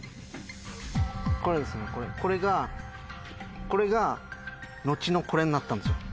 これですねこれがこれが後のこれになったんですよ。